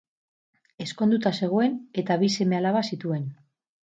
Ezkonduta zegoen, eta bi seme-alaba zituen.